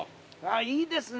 いいですね。